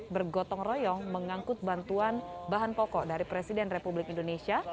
bergotong royong mengangkut bantuan bahan pokok dari presiden republik indonesia